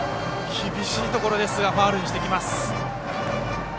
厳しいところですがファウルにしてきます。